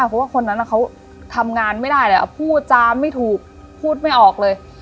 เพราะว่าคนนั้นเขาทำงานไม่ได้เลยพูดจาไม่ถูกพูดไม่ออกเลย